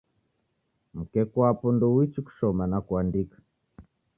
Mkeku wapo ndouichi kushoma na kuandika